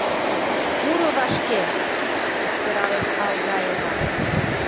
Пуро вашке! — кычкыралеш Алгаева.